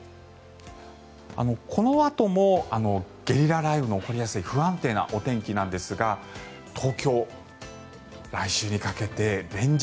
このあともゲリラ雷雨の起こりやすい不安定なお天気なんですが「ワイド！